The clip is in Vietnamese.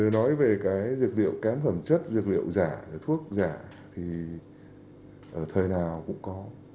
nói về dược liệu cám phẩm chất dược liệu giả thuốc giả thì ở thời nào cũng có